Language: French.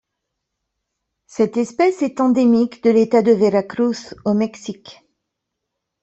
Cette espèce est endémique du l'État de Veracruz au Mexique.